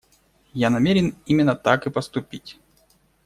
Я намерен именно так и поступить.